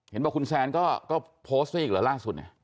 เห็นว่าคุณแซงก็โพสต์ได้อีกเหรอล่าสุดเนี่ย